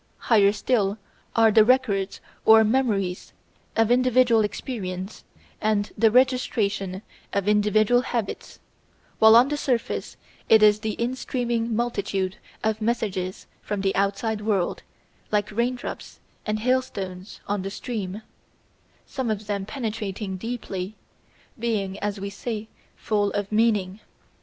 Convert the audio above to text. ] Higher still are the records or memories of individual experience and the registration of individual habits, while on the surface is the instreaming multitude of messages from the outside world, like raindrops and hailstones on the stream, some of them penetrating deeply, being, as we say, full of meaning.